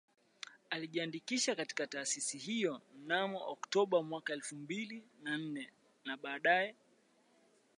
Alijiandikisha katika taasisi hiyo mnamo Oktoba mwaka elfu mbili na nne na baadaye